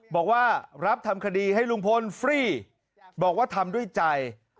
บอกว่ารับทำคดีให้ลุงพลฟรีบอกว่าทำด้วยใจ